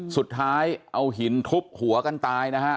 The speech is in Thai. สุดท้ายเอาหินทุบหัวกันตายนะฮะ